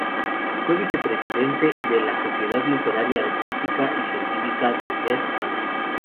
Fue vice-presidente de la sociedad literaria, artística y científica 'des Uns'.